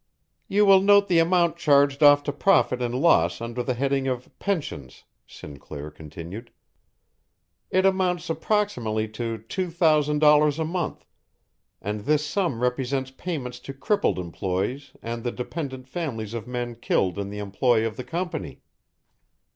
"You will note the amount charged off to profit and loss under the head of 'Pensions,'" Sinclair continued. "It amounts approximately to two thousand dollars a month, and this sum represents payments to crippled employees and the dependent families of men killed in the employ of the Company."